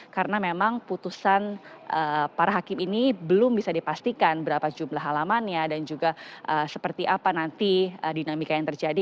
karena memang putusan para hakim ini belum bisa dipastikan berapa jumlah halamannya dan juga seperti apa nanti dinamika yang terjadi